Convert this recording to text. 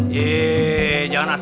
dia juga ngambil